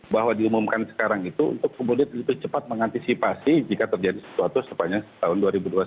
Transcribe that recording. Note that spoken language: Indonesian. bahwa diumumkan sekarang itu untuk kemudian lebih cepat mengantisipasi jika terjadi sesuatu sepanjang tahun dua ribu dua puluh satu